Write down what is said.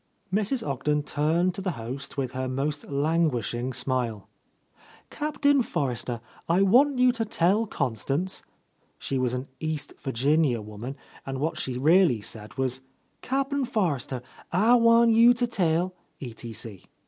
Mrs. Ogden turned to the host with her most languishing smile: "Captain Forrester, I want you to tell Constance" — (She was an East Vir ginia woman, and what she really said was, "Cap'n Forrester, Ah wan' yew to tell, etc."